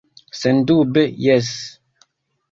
Sendube jes.